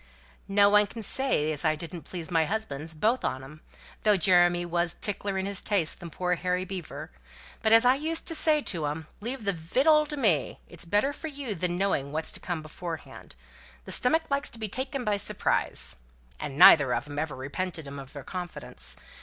"No one can say as I didn't please my husbands both on 'em, though Jeremy was tickler in his tastes than poor Harry Beaver. But as I used to say to 'em, 'Leave the victual to me; it's better for you than knowing what's to come beforehand. The stomach likes to be taken by surprise.' And neither of 'em ever repented 'em of their confidence.